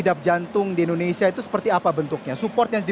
tapi kita akan saksikan dulu jeda